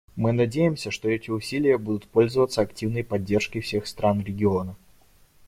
Мы надеемся, что эти усилия будут пользоваться активной поддержкой всех стран региона.